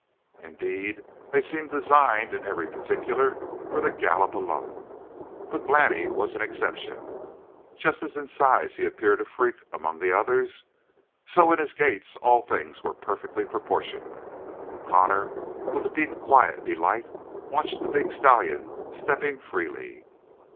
Indeed, they seemed designed in every particular for the gallop alone. But Glani was an exception. Just as in size he appeared a freak among the others, so in his gaits all things were perfectly proportioned. Connor, with a deep, quiet delight, watched the big stallion stepping freely.